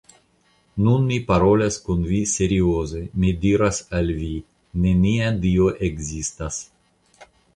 Nun mi parolas kun vi serioze, mi diras al vi: nenia Dio ekzistas!